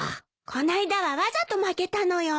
この間はわざと負けたのよ。